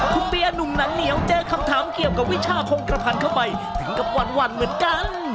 คุณเปียร์หนุ่มหนังเหนียวเจอคำถามเกี่ยวกับวิชาคงกระพันเข้าไปถึงกับหวั่นเหมือนกัน